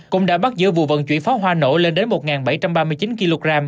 cũng đã bắt giữ vụ vận chuyển pháo hoa nổ lên đến một bảy trăm ba mươi chín kg